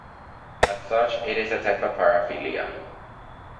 As such, it is a type of paraphilia.